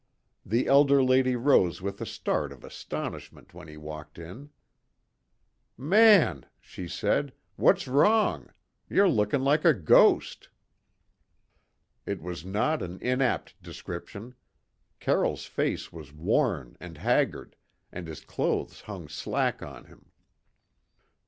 The elder lady rose with a start of astonishment when he walked in. "Man," she said, "what's wrong? Ye're looking like a ghost." It was not an inapt description. Carroll's face was worn and haggard, and his clothes hung slack on him.